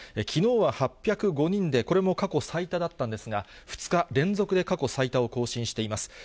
きのうは８０５人で、これも過去最多だったんですが、２日連続で過去最多を更新しています。